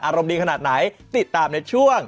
อารมณ์ดีขนาดไหนติดตามในช่วง